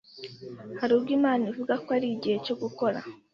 hari ubwo Imana ivuga ko ari “igihe cyo gukora.